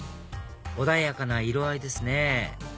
穏やかな色合いですね